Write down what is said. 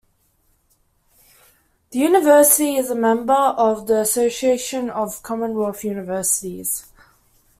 The university is a member of the Association of Commonwealth Universities.